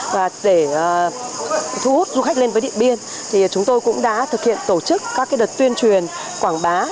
và để thu hút du khách lên với điện biên thì chúng tôi cũng đã thực hiện tổ chức các đợt tuyên truyền quảng bá